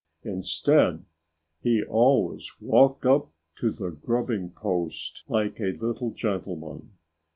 Instead, he always walked up to the rubbing post like a little gentleman.